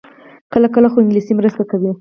کله کله، خو انګلیسي مرسته کوي